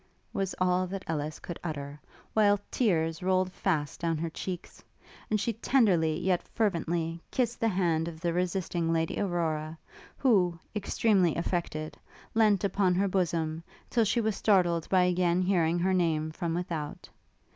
was all that Ellis could utter, while tears rolled fast down her cheeks; and she tenderly, yet fervently, kissed the hand of the resisting Lady Aurora, who, extremely affected, leant upon her bosom, till she was startled by again hearing her name from without.